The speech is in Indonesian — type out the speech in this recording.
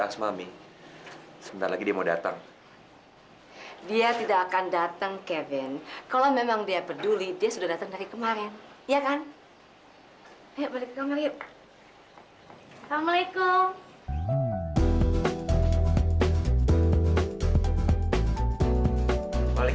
sampai jumpa di video selanjutnya